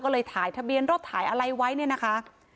ก็เลยถ่ายทะเบียนรถถ่ายอะไรไว้เนี่ยนะคะ